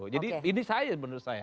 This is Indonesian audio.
jadi ini saya menurut saya